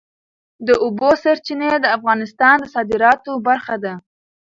د اوبو سرچینې د افغانستان د صادراتو برخه ده.